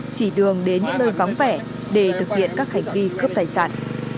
chỉ đường đến những nơi vắng vẻ để thực hiện các hành vi cướp tài sản